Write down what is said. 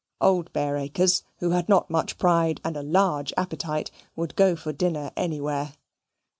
Old Bareacres, who had not much pride and a large appetite, would go for a dinner anywhere.